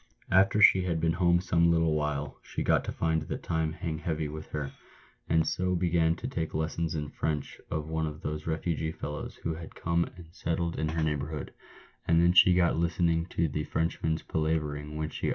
After she had been home some little while, she got to find the time hang heavy with her, and so 22 PAVED WITH GOLD. began to take lessons in French of one of those refugee fellows who had come and settled in her neighbourhood ; and then she got listen ing to the Frenchman's palavering when she